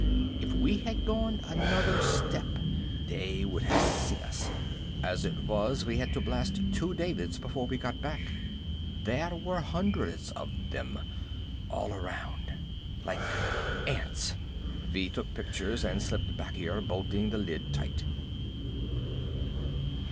If we had gone another step they would have seen us. As it was we had to blast two Davids before we got back. There were hundreds of them, all around. Like ants. We took pictures and slipped back here, bolting the lid tight."